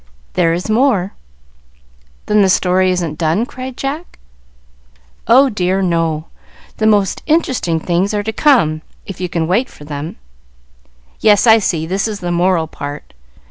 "There is more." "Then the story isn't done?" cried Jack. "Oh dear, no; the most interesting things are to come, if you can wait for them." "Yes, I see, this is the moral part.